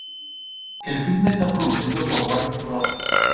El filme está producido por Warner Bros.